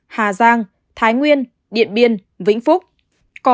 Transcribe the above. hà giang thái nguyên điện biên vĩnh phúc